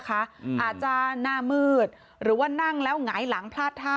อาจจะหน้ามืดหรือว่านั่งแล้วหงายหลังพลาดท่า